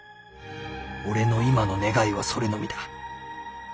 俺の今の願いはそれのみだ。